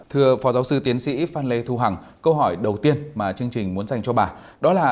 thưa phó giáo sư tiến sĩ phan lê thu hằng câu hỏi đầu tiên mà chương trình muốn dành cho bà đó là